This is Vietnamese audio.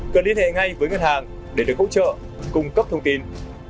cần liên hệ ngay với ngân hàng để được hỗ trợ cung cấp thông tin